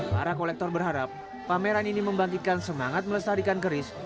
para kolektor berharap pameran ini membangkitkan semangat melestarikan keris